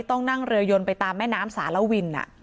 ต้องนั่งเรือยนไปตามแม่น้ำสารวิน